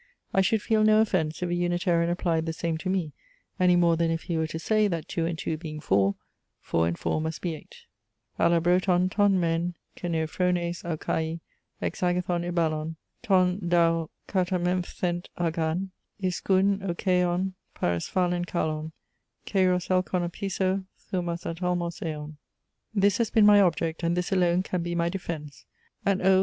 I should feel no offence if a Unitarian applied the same to me, any more than if he were to say, that two and two being four, four and four must be eight. alla broton ton men keneophrones auchai ex agathon ebalon; ton d' au katamemphthent' agan ischun oikeion paresphalen kalon, cheiros elkon opisso, thumos atolmos eon. This has been my object, and this alone can be my defence and O!